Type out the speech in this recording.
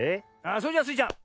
それじゃあスイちゃん